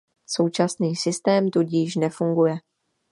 Současný systém tudíž nefunguje.